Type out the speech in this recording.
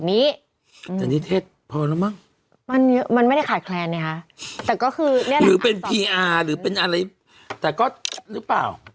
ที่อยู่ในศาลขาดแคนอย่างเช่นสมมติเรียนนิเทศ